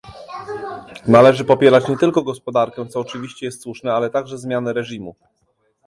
Należy popierać nie tylko gospodarkę, co oczywiście jest słuszne, ale także zmiany reżimu